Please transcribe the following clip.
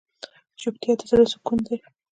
چوپتیا، د زړه سکون دی.